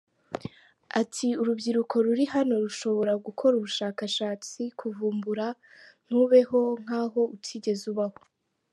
Ati “Urubyiruko ruri hano rushobora gukora ubushakashatsi, kuvumbura, ntubeho nk’aho utigeze ubaho.